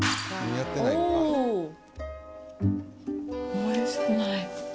おいしくない。